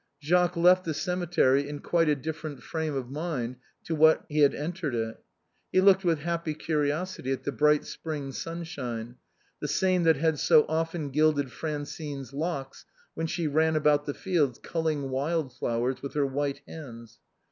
Jacques left the cemetery in quite a different frame of mind to what he had entered it. He looked with happy curiosity at the bright spring sunshine, the same that had so often gilded Francine's locks when she ran about the fields culling wild flowers with her white hands.